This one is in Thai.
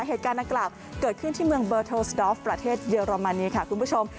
เหตุการณ์ดังกล่าวเกิดขึ้นที่เมืองเบอร์โทรสดอฟประเทศเยอรมนีค่ะคุณผู้ชม